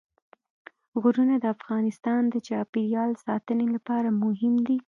غرونه د افغانستان د چاپیریال ساتنې لپاره مهم دي.